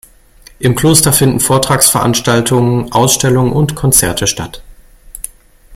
Im Kloster finden Vortragsveranstaltungen, Ausstellungen und Konzerte statt.